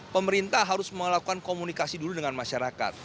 pemerintah harus melakukan komunikasi dulu dengan masyarakat